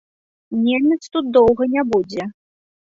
Немец тут доўга не будзе.